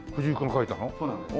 そうなんです。